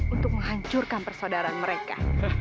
untuk menghancurkan persaudaraan mereka